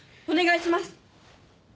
お願いします。